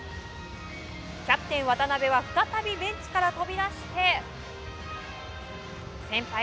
キャプテン、渡邊は再びベンチから飛び出してよっしゃー！